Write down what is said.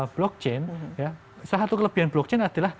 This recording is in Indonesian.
blockchain salah satu kelebihan blockchain adalah